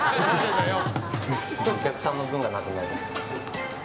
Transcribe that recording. お客さんの分がなくなる。